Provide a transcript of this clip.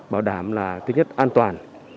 bảo đảm là thứ nhất an toàn